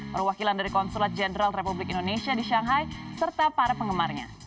perwakilan dari konsulat jenderal republik indonesia di shanghai serta para penggemarnya